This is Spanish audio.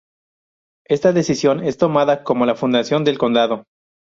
Esta decisión es tomada como la fundación del condado.